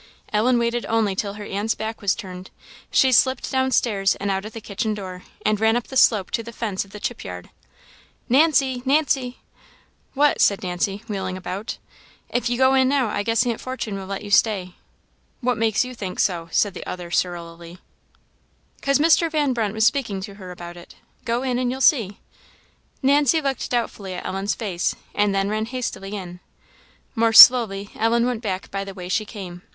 Ellen waited only till her aunt's back was turned. She slipped down stairs and out at the kitchen door, and ran up the slope to the fence of the chip yard. "Nancy! Nancy!" "What?" said Nancy, wheeling about. "If you go in now, I guess Aunt Fortune will let you stay." "What makes you think so?" said the other, surlily. " 'Cause Mr.Van Brunt was speaking to her about it. Go in and you'll see." Nancy looked doubtfully at Ellen's face, and then ran hastily in. More slowly Ellen went back by the way she came.